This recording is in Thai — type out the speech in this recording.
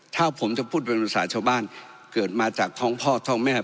ถ้าผมจะพูดเป็นภาษาชาวบ้านเกิดมาจากท้องพ่อท้องแม่